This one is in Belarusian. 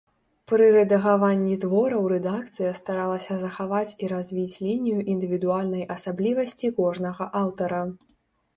Пры рэдагаванні твораў рэдакцыя старалася захаваць і развіць лінію індывідуальнай асаблівасці кожнага аўтара.